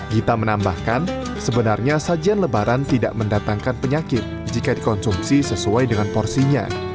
gita menambahkan sebenarnya sajian lebaran tidak mendatangkan penyakit jika dikonsumsi sesuai dengan porsinya